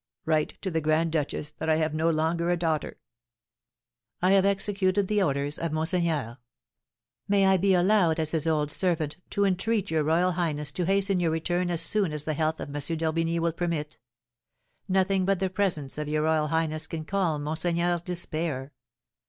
Write to the grand duchess that I have no longer a daughter!" I have executed the orders of monseigneur. May I be allowed, as his old servant, to entreat your royal highness to hasten your return as soon as the health of M. d'Orbigny will permit? Nothing but the presence of your royal highness can calm monseigneur's despair.